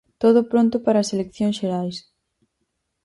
Todo pronto para as eleccións xerais.